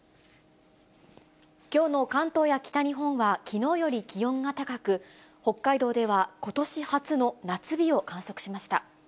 きょうの関東や北日本はきのうより気温が高く、北海道ではことし初の夏日を観測しました。